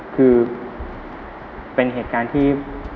คือเป็นเหตุการณ์ที่